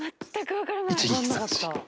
分からなかった。